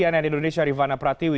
ann indonesia rifana pratik